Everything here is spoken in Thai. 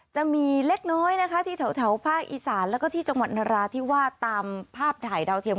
จะมีเล็กน้อยนะคะที่แถวภาคอีสานแล้วก็ที่จังหวัดนราธิวาสตามภาพถ่ายดาวเทียม